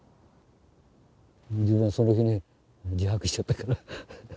自分はその日に自白しちゃったから。